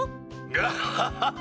ガハハハ！